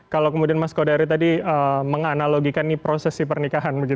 kalau kemudian mas kaudary tadi menganalogikan ini proses sipernikasi